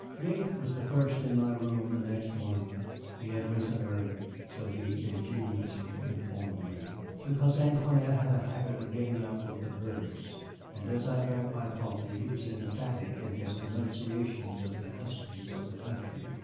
Nick was the first in my room the next morning. He had risen early (so he ingenuously informed me) because Antoinette had a habit of getting up with the birds, and as I drank my coffee he was emphatic in his denunciations of the customs of the country.